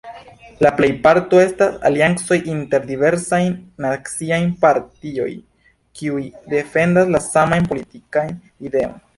La plejparto estas aliancoj inter diversajn naciaj partioj, kiuj defendas la samajn politikajn ideojn.